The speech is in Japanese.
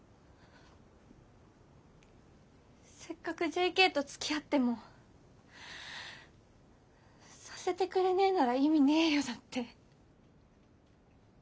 「せっかくＪＫとつきあってもさせてくれねえなら意味ねえよ」だって。